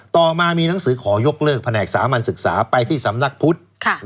ต่อมามีหนังสือขอยกเลิกแผนกสามัญศึกษาไปที่สำนักพุทธ